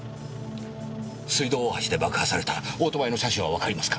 水道大橋で爆破されたオートバイの車種はわかりますか？